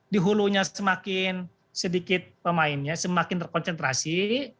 di hulunya semakin sedikit pemainnya semakin terkonsentrasi